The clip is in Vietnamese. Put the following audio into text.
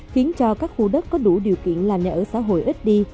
khiến cho các khu đất có đủ điều kiện là nhà ở xã hội ít đi